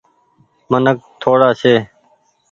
منک ٿوڙآ ڇي۔